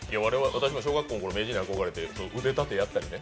私も小学校のころ、名人に憧れて腕立てやったりね。